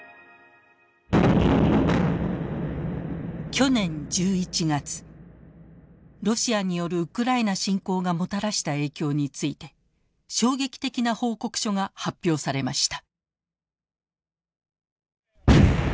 去年１１月ロシアによるウクライナ侵攻がもたらした影響について衝撃的な報告書が発表されました。